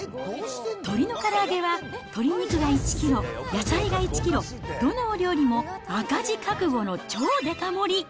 鶏のから揚げは鶏肉が１キロ、野菜が１キロ、どのお料理も赤字覚悟の超デカ盛り。